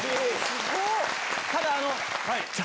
すごっ！